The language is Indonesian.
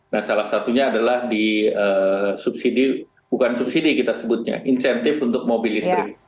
nah salah satunya adalah di subsidi bukan subsidi kita sebutnya insentif untuk mobil listrik